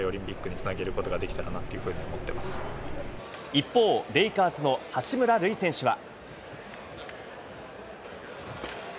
一方、レイカーズの八村塁選手は。